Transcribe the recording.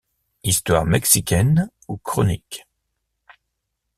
Histoire mexicaine ou chronique.